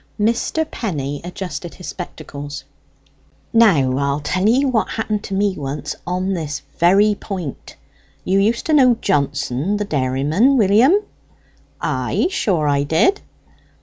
Mr. Penny adjusted his spectacles. "Now, I'll tell ye what happened to me once on this very point. You used to know Johnson the dairyman, William?" "Ay, sure; I did."